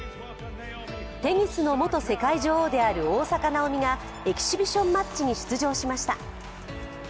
テニスの元世界女王である大坂なおみがエキシビションマッチに出場しました。